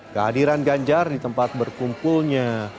kehadiran ganjar di tempat berkumpulnya